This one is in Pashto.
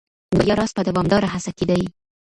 د بریا راز په دوامداره هڅه کي دی.